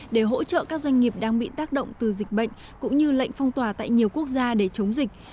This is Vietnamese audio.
để hỗ trợ các doanh nghiệp đang bị tác động từ dịch bệnh cũng như lệnh phong tỏa tại nhiều quốc gia để chống dịch